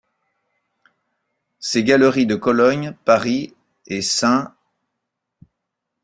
Ses galeries de Cologne, Paris et St.